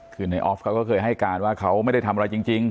คือในออฟเขาก็เคยให้การว่าเขาไม่ได้ทำอะไรจริง